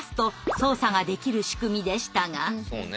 そうね。